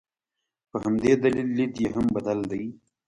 په همدې دلیل لید یې هم بدل دی.